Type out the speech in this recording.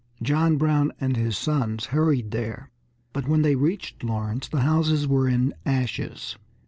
John Brown and his sons hurried there, but when they reached Lawrence the houses were in ashes.